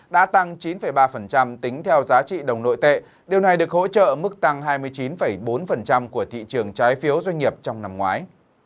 đã tăng chín ba tính theo giá trị đồng nội tệ điều này được hỗ trợ mức tăng hai mươi chín bốn của thị trường trái phiếu doanh nghiệp trong năm ngoái